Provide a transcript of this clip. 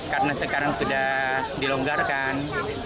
karena sekarang sudah dilonggarkan